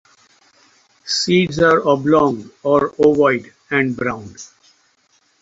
Seeds are oblong or ovoid and brown.